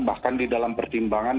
bahkan di dalam pertimbangan